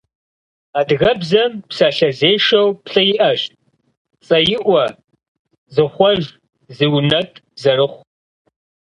Адыгэбзэм псалъэзешэу плӏы иӏэщ: цӏэиӏуэ, зыхъуэж, зыунэтӏ, зэрыхъу.